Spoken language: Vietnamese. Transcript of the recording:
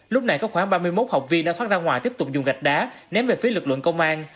lúc này có khoảng ba mươi một học viên đã thoát ra ngoài tiếp tục dùng gạch đá ném về phía lực lượng công an